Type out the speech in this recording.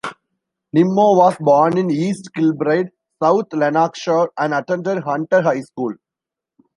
Nimmo was born in East Kilbride, South Lanarkshire and attended Hunter High School.